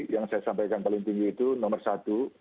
yang saya sampaikan paling tinggi itu nomor satu